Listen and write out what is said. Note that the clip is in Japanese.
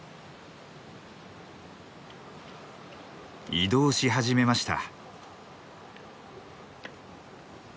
移動し始めました。